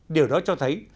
điều đó cho thấy